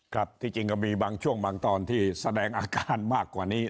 ครับที่จริงก็มีบางช่วงบางตอนที่แสดงอาการมากกว่านี้